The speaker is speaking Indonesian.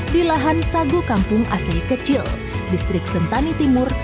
di lahan sagu kampung asei kecil distrik sentani timur